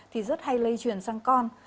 thì rất hay lây chuyển sang con